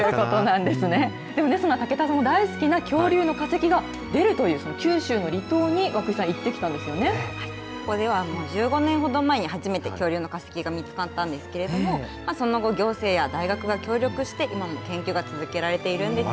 でも、その武田さんも大好きな恐竜の化石が出るという、その九州の離島に、涌井さん、行ってきたここでは１５年ほど前に、初めて恐竜の化石が見つかったんですけれども、その後、行政や大学が協力して、今も研究が続けられているんです。